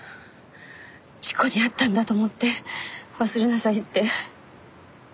事故に遭ったんだと思って忘れなさいって。